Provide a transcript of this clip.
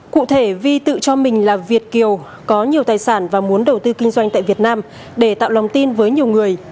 cụ thể vi tự cho mình là việt kiều có nhiều tài sản và muốn đầu tư kinh doanh tại việt nam để tạo lòng tin với nhiều người